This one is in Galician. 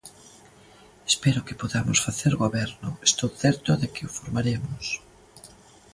Espero que podamos facer goberno, estou certo de que o formaremos.